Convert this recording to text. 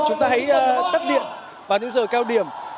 chúng ta hãy tắt điện vào những giờ cao điểm